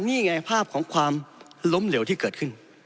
นี่ไงภาพของความล้มเหลวที่เกิดขึ้น